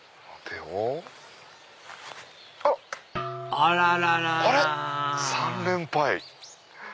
あらららら３連敗。